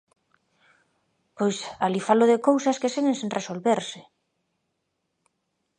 Pois alí falo de cousas que seguen sen resolverse.